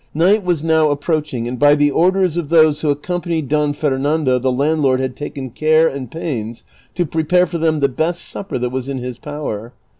Night was now approaching, and by the orders of those who accompanied Don Fernando the landlord had taken care and pains to prepare for them the best supper that was in his power.